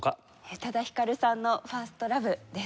宇多田ヒカルさんの『ＦｉｒｓｔＬｏｖｅ』です。